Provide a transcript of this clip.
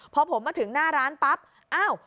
พอผมมาถึงหน้าร้านปั๊บอ้าว